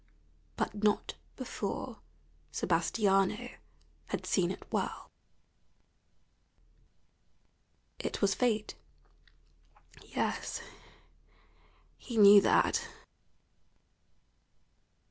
But not before Sebastiano had seen it well. It was Fate. Yes, he knew that.